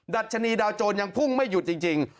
ัชนีดาวโจรยังพุ่งไม่หยุดจริง